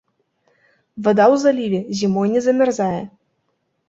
Вада ў заліве зімой не замярзае.